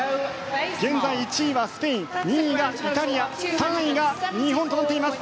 現在１位はスペイン２位がイタリア３位が日本となっています。